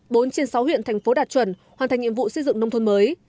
bốn trên sáu huyện thành phố đạt chuẩn hoàn thành nhiệm vụ xây dựng nông thôn mới